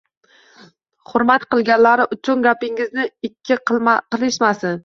Hurmat qilganlari uchun gapingizni ikki qilishmasin.